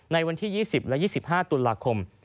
ในวันที่๒๐และ๒๕ตุลาคม